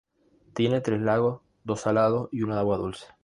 Tiene tres lagos, dos salados y uno de agua dulce.